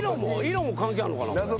色も関係あんのかな。